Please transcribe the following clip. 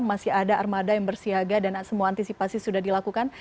masih ada armada yang bersiaga dan semua antisipasi sudah dilakukan